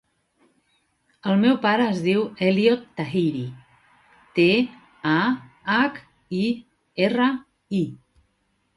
El meu pare es diu Elliot Tahiri: te, a, hac, i, erra, i.